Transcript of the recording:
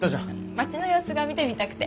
町の様子が見てみたくて。